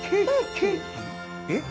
えっ？